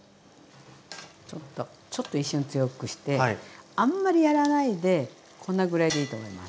ちょっと一瞬強くしてあんまりやらないでこんなぐらいでいいと思います。